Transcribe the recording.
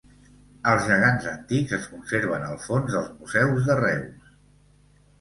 Els gegants antics es conserven als fons dels Museus de Reus.